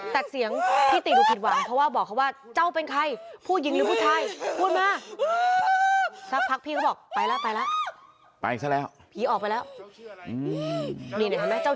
แต่เสียงพี่ตีดูผิดหวานเขาบอกเขาว่า